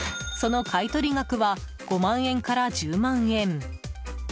その買い取り額は５万円から１０万円。